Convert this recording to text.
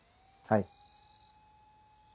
はい。